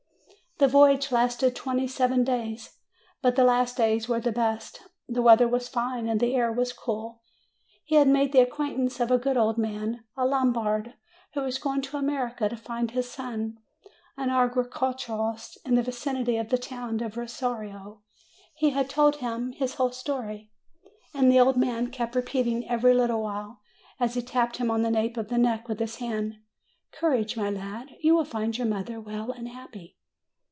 The voyage lasted twenty seven days. But the last days were the best. The weather was fine, and the air cool. He had made the acquaintance of a good old man, a Lombard, who was going to America to find his son, an agriculturist in the vicinity of the town of Rosario; he had told him his whole story, and the old man kept repeating every little while, as he tapped him on the nape of the neck with his hand, "Courage, my lad; you will find your mother well and happy."